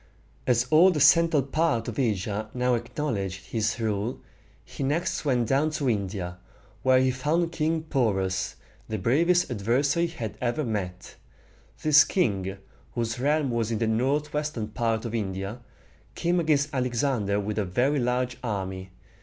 As all the central part of Asia now acknowledged his rule, he next went down into India, where he found King Po´rus, the bravest adversary he had ever met. This king, whose realm was in the northwestern part of India, came against Alexander with a very large army.